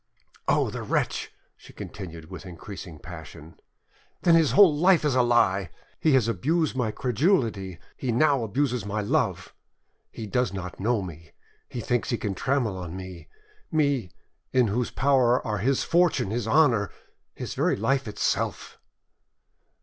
"Oh! the wretch," she continued, with increasing passion; "then his whole life is a lie! He has abused my credulity, he now abuses my love! He does not know me! He thinks he can trample on me—me, in whose power are his fortune, his honour, his very life itself!"